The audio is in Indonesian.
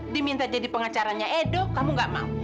diminta jadi pengacaranya edo kamu gak mau